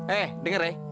eh denger ya